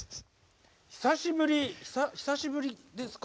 久しぶり久しぶりですか？